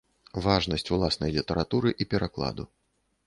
Важнасць уласнай літаратуры і перакладу.